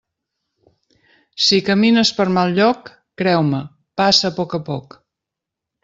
Si camines per mal lloc, creu-me, passa a poc a poc.